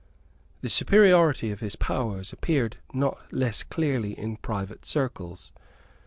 The superiority of his powers appeared not less clearly in private circles.